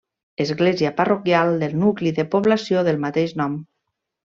Església parroquial del nucli de població del mateix nom.